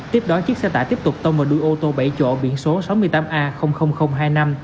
tiếp đó chiếc xe tải tiếp tục tông vào đuôi ô tô bảy chỗ biển số sáu mươi tám a hai mươi năm